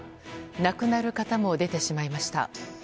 亡くなる方も出てしまいました。